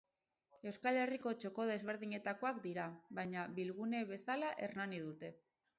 Euskal Herriko txoko desberdinetakoak dira, baina bilgune bezala Hernani dute.